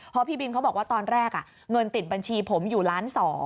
เพราะพี่บินเขาบอกว่าตอนแรกเงินติดบัญชีผมอยู่ล้าน๒